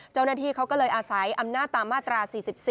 เจ้าหน้าที่เขาก็เลยอาศัยอำนาจตามมาตรา๔๔